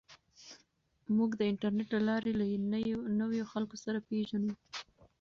موږ د انټرنیټ له لارې له نویو خلکو سره پېژنو.